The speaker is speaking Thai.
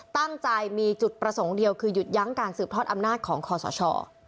ตั้งใจมีจุดประสงค์เดียวคือหยุดยั้งการสืบทอดอำนาจของคอสช